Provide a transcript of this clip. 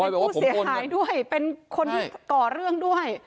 เป็นผู้เสียหายด้วยเป็นคนที่ก่อเรื่องด้วย